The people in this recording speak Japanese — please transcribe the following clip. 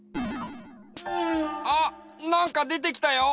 あっなんかでてきたよ！